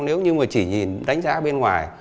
nếu như mà chỉ nhìn đánh giá bên ngoài